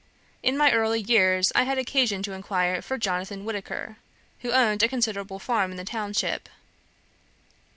In my early years I had occasion to inquire for Jonathan Whitaker, who owned a considerable farm in the township.